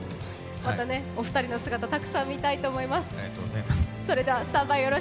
またお二人の姿、たくさん見たいと思います。